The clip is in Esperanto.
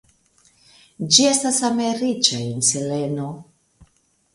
Ĝi estas same riĉa en seleno.